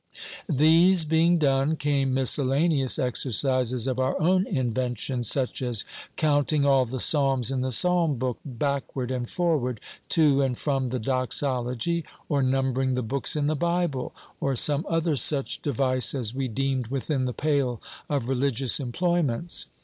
These being done, came miscellaneous exercises of our own invention, such as counting all the psalms in the psalm book, backward and forward, to and from the Doxology, or numbering the books in the Bible, or some other such device as we deemed within the pale of religious employments.